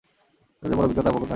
যদিও মন অভিজ্ঞতায় আবদ্ধ থাকে না।